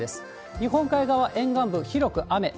日本海側沿岸部、広く雨。